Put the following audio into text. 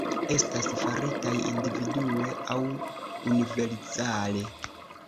Estas faritaj individue aŭ univerzale.